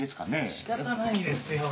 しかたないですよ。